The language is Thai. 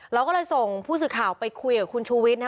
เราก็เลยส่งผู้สื่อข่าวไปคุยกับคุณชูวิทย์